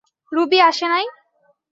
Ruby আসে নাই?